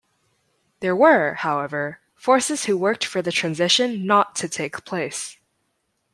There were, however, forces who worked for the transition not to take place.